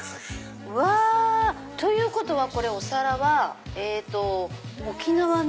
うわ！ということはこれお皿は沖縄の。